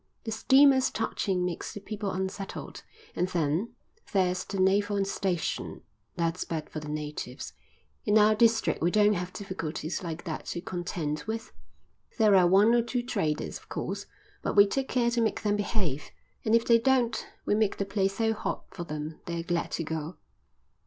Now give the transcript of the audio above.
The steamers' touching makes the people unsettled; and then there's the naval station; that's bad for the natives. In our district we don't have difficulties like that to contend with. There are one or two traders, of course, but we take care to make them behave, and if they don't we make the place so hot for them they're glad to go."